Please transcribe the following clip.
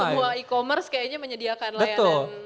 semua e commerce kayaknya menyediakan layanan